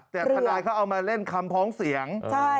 แต่ทนายเขาเอามาเล่นคำพ้องเสียง